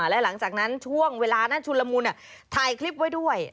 และหลังจากนั้นช่วงเวลานั้นชุนละมุนถ่ายคลิปไว้ด้วย